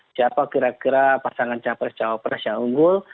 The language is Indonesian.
siapa kira kira pasangan capres cawapres yang unggul